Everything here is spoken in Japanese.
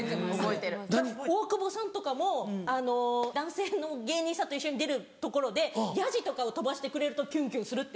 あっ大久保さんとかも男性の芸人さんと一緒に出るところでヤジとかを飛ばしてくれるとキュンキュンするって。